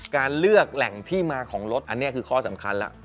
การเลือกแหล่งที่มาของรถอันนี้คือข้อสำคัญแล้ว